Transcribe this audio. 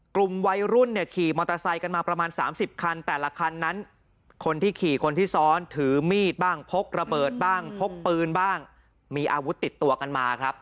กลุ่มวัยรุ่นเนี่ยขี่มอเตอร์ไซค์กันมาประมาณ๓๐คันแต่ละคันนั้นคนที่ขี่คนที่ซ้อนถือมีดบ้างพกระเบิดบ้างพกปืนบ้างมีอาวุธติดตัวกันมาครับ